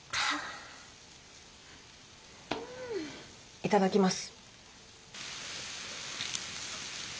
いただきます。